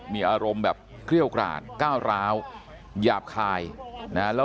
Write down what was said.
มีอารมณ์แบบเครี่ยวกราศเก้าร้าวหยาบคายนะฮะ